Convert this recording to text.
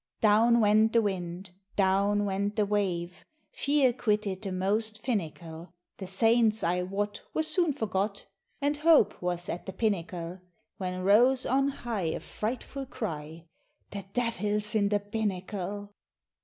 Down went the wind, down went the wave, Fear quitted the most finical; The Saints, I wot, were soon forgot, And Hope was at the pinnacle: When rose on high a frightful cry "The Devil's in the binnacle!"